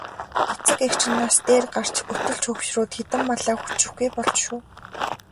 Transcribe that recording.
Эцэг эх чинь нас дээр гарч өтөлж хөгшрөөд хэдэн малаа хүчрэхгүй болж шүү.